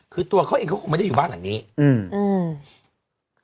คือตัวเขาเองเขาคงไม่ได้อยู่บ้านหลังนี้อืมอืม